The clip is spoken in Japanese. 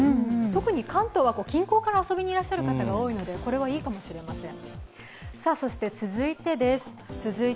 特に関東は近郊から遊びにくる方が多いのでこれはいいかもしれません。